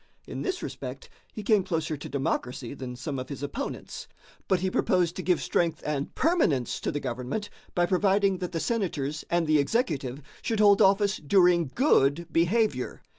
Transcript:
In this respect he came closer to democracy than some of his opponents, but he proposed to give strength and permanence to the government by providing that the Senators and the executive should hold office during good behavior.